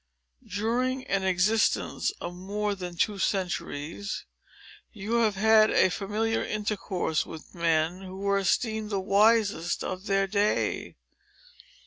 During an existence of more than two centuries, you have had a familiar intercourse with men who were esteemed the wisest of their day.